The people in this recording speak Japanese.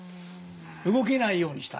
動けないようにした。